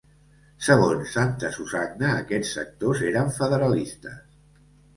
Segons Santasusagna aquests sectors eren federalistes.